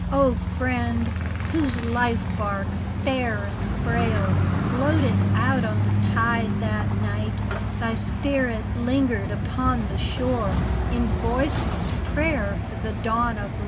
O friend ! whose life barque, fair and frail. Floated out on the tide that night. Thy spirit lingered upon the shore In voiceless prayer for the dawn of light.